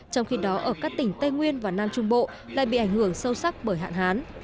trong khi đó ở các tỉnh tây nguyên và nam trung bộ lại bị ảnh hưởng sâu sắc bởi hạn hán